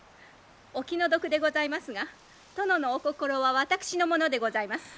お気の毒でございますが殿のお心は私のものでございます。